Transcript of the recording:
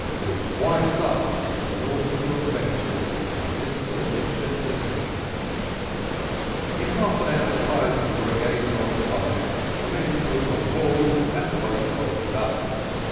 WHICH WINDS UP THE NAUTICAL ADVENTURES OF MR. MIDSHIPMAN EASY. In half an hour the prizes were again alongside, the men put on board, and the boat hoisted up.